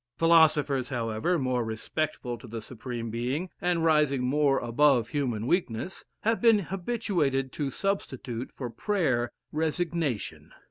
Philosophers, however, more respectful to the Supreme Being, and rising more above human weakness, have been habituated to substitute, for prayer, resignation.